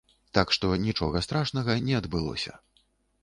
Так што нічога страшнага не адбылося.